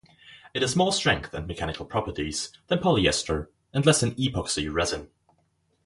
It has more strength and mechanical properties than polyester and less than epoxy resin.